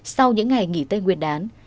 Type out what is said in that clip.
sau những ngày nghỉ tên nguyên đán